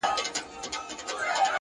نیک عمل د وجدان باغ زرغونوي